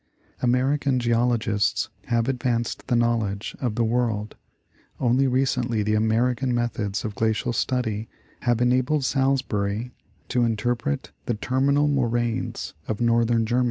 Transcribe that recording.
American Geologists have advanced the knowledge of the world; only recently the American methods of Glacial study have enabled Salisbury to interpret the terminal moraines of Northern Germany (Am.